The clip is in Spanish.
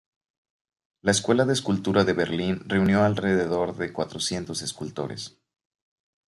La escuela de escultura de Berlín reunió a alrededor de cuatrocientos escultores.